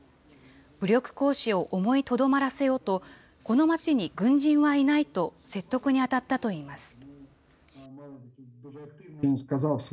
武力行使を思いとどまらせようと、この町に軍人はいないと説得に当たったといいます。